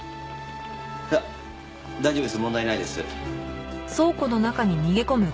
いや大丈夫です問題ないです。